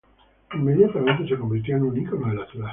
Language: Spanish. Inmediatamente se convirtió en un icono de la ciudad.